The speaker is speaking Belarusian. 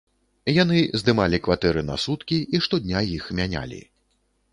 Яны здымалі кватэры на суткі і штодня іх мянялі.